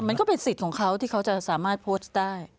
มันก็เป็นสิทธิ์ของเขาที่เขาจะสามารถโพสต์ได้